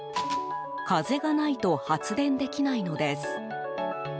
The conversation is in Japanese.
風がないと発電できないのです。